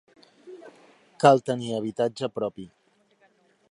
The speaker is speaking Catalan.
Cal tenir habitatge propi.